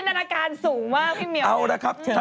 เป็นคนที่จินานาการสูงมากพี่เมียวเลย